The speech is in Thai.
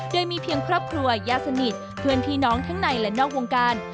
โดยมีเพียงครอบครัวญาติสนิทเพื่อนพี่น้องทั้งในและนอกวงการ